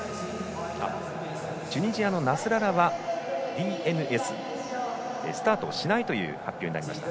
チュニジアのナスララはＤＮＳスタートをしないという発表になりました。